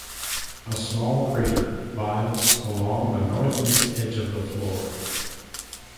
A small crater lies along the northeast edge of the floor.